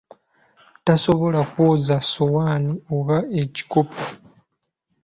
Tasobola kwoza ssowaani oba ekikopo!